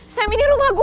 sam ini rumah gue